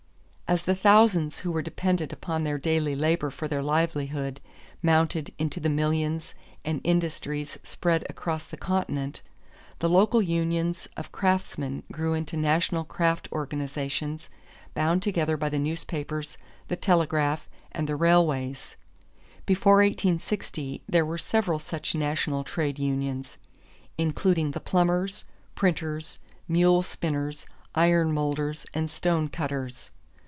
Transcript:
As the thousands who were dependent upon their daily labor for their livelihood mounted into the millions and industries spread across the continent, the local unions of craftsmen grew into national craft organizations bound together by the newspapers, the telegraph, and the railways. Before 1860 there were several such national trade unions, including the plumbers, printers, mule spinners, iron molders, and stone cutters.